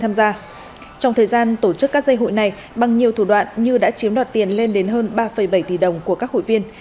trong thời gian tổ chức các dây hụi này bằng nhiều thủ đoạn như đã chiếm đoạt tiền lên đến hơn ba bảy tỷ đồng của các hội viên